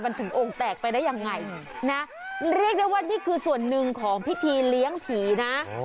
มันถึงองค์แตกไปได้ยังไงนะเรียกได้ว่านี่คือส่วนหนึ่งของพิธีเลี้ยงผีนะ